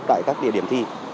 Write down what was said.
tại các địa điểm